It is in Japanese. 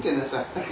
はい。